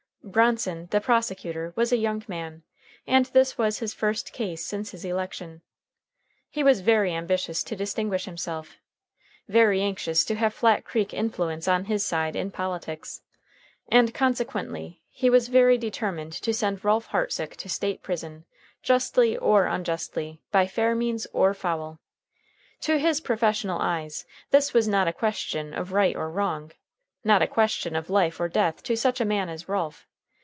Bronson, the prosecutor, was a young man, and this was his first case since his election. He was very ambitious to distinguish himself, very anxious to have Flat Creek influence on his side in politics; and, consequently, he was very determined to send Ralph Hartsook to State prison, justly or unjustly, by fair means or foul. To his professional eyes this was not a question of right and wrong, not a question of life or death to such a man as Ralph.